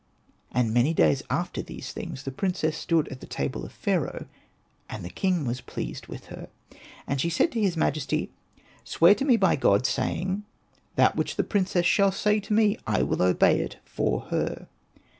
'^ And many days after these things the " princess stood at the table of Pharaoh, and the king was pleased with her. And she said to his majesty, " Swear to me by God, saying, ' That which the princess shall say to me I will obey it for her.'